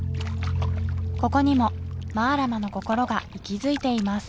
ここにもマラマのこころが息づいています